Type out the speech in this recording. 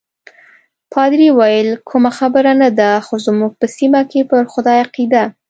پادري وویل: کومه خبره نه ده، خو زموږ په سیمه کې پر خدای عقیده.